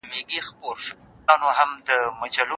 يوازې کار ته اړتيا ده.